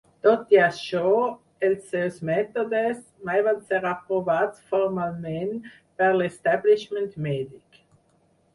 Tot i això, els seus mètodes mai van ser aprovats formalment per l'"establishment" mèdic.